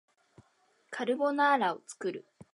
カルボナーラを作る